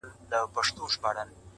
نو بیا به دغه ذوق